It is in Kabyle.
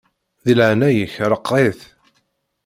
Di leɛnaya-k ṛeqqeɛ-it.